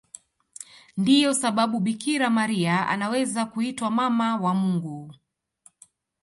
Ndiyo sababu Bikira Maria anaweza kuitwa Mama wa Mungu.